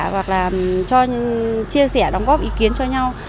hoặc là chia sẻ đóng góp ý kiến cho nhau